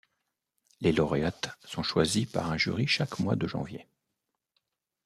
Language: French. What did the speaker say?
Les lauréates sont choisies par un jury chaque mois de janvier.